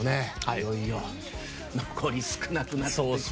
いよいよ残り少なくなってきて。